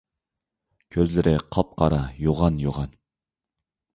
كۆزلىرى قاپقارا، يوغان - يوغان.